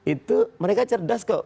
itu mereka cerdas kok